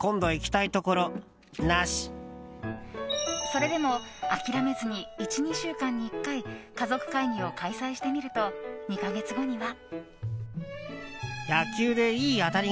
それでも諦めずに１２週間に１回かぞくかいぎを開催してみると２か月後には。